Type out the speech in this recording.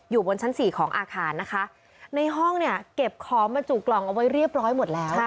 บนชั้นสี่ของอาคารนะคะในห้องเนี่ยเก็บของบรรจุกล่องเอาไว้เรียบร้อยหมดแล้ว